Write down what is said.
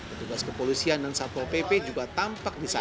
petugas kepolisian dan satpol pp juga tampak bisa